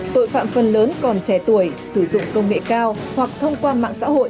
tội phạm phần lớn còn trẻ tuổi sử dụng công nghệ cao hoặc thông qua mạng xã hội